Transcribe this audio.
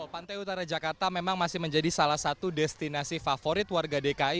pantai utara jakarta memang masih menjadi salah satu destinasi favorit warga dki